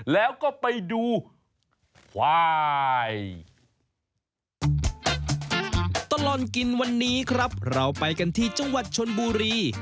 แล้วก็ไปดูวาย